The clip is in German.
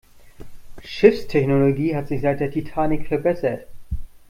Schiffstechnologie hat sich seit der Titanic verbessert.